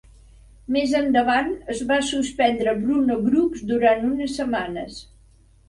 Més endavant es va suspendre Bruno Brooks durant unes setmanes.